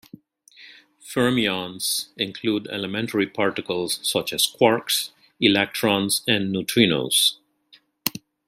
Fermions include elementary particles such as quarks, electrons and neutrinos.